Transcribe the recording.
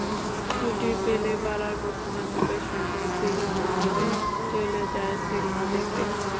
ছুটি পেলে পাড়ার বন্ধুবান্ধবের সঙ্গে সিনেমা হলে চলে যায় সিনেমা দেখতে।